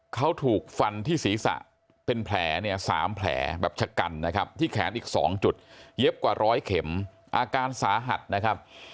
เขาถูกฟันที่ศีรษะเป็นแผลเนี่ย๓แผลแบบชะกันนะครับที่แขนอีก๒จุดเย็บกว่าร้อยเข็มอาการสาหัสนะครับ